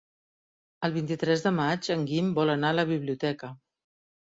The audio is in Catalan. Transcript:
El vint-i-tres de maig en Guim vol anar a la biblioteca.